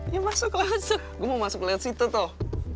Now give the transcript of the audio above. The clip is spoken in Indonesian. ya masuk lo masuk gue mau masuk lewat situ toh